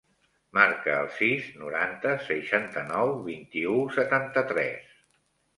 Marca el sis, noranta, seixanta-nou, vint-i-u, setanta-tres.